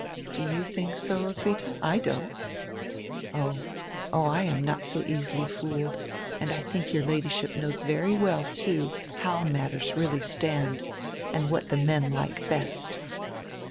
"Do you think so, Roswitha! I don't." "Oh, oh, I am not so easily fooled, and I think your Ladyship knows very well, too, how matters really stand and what the men like hest."